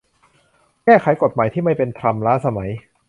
แก้ไขกฎหมายที่ไม่เป็นธรรม ล้าสมัย